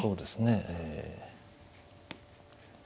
ええ。